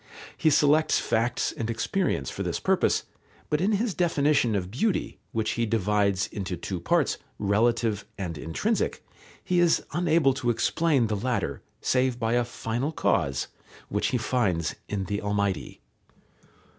He selects facts and experience for this purpose, but in his definition of beauty, which he divides into two parts, relative and intrinsic, he is unable to explain the latter, save by a final cause, which he finds in the Almighty.